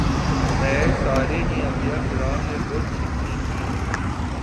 خیر سارے ہی انبیاء کرام نے بت شکنی کی ۔